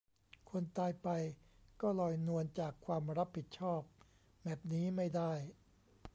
คนตายไป ก็ลอยนวลจากความรับผิดชอบ แบบนี้ไม่ได้